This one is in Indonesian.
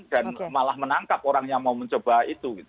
dan malah menangkap orang yang mau mencoba itu